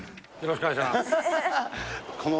よろしくお願いします。